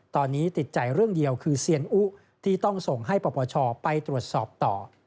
ตอนนี้ติดใจเรื่องเดียวคือเซียนอุที่ต้องส่งให้ปปชไปตรวจสอบต่อ